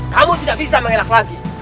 kamu tidak bisa mengelak lagi